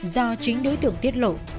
do chính đối tượng tiết lộ